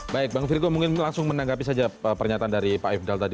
baik bang virgo mungkin langsung menanggapi saja pernyataan dari pak ifdal tadi